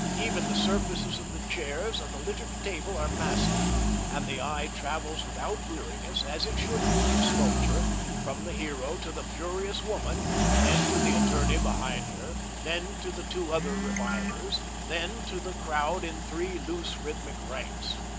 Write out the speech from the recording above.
Even the surfaces of the chairs and the littered table are massive, and the eye travels without weariness, as it should do in sculpture, from the hero to the furious woman, then to the attorney behind her, then to the two other revilers, then to the crowd in three loose rhythmic ranks.